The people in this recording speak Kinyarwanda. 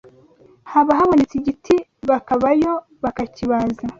Haba habonetse igiti bakabayo bakakibaza